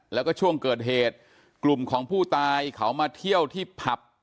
แล้วก็ช่วงเกิดเหตุกลุ่มของผู้ตายเขามาเที่ยวที่ผับ